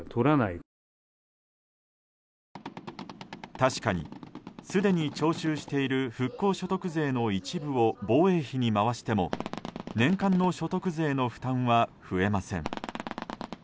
確かに、すでに徴収している復興所得税の一部を防衛費に回しても年間の所得税の負担は増えません。